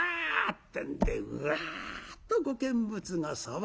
ってんでうわっとご見物が騒ぎ立つ。